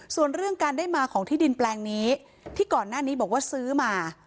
ส่วนเรื่องการได้มาของที่ดินแปลงนี้ที่ก่อนหน้านี้บอกว่าซื้อมา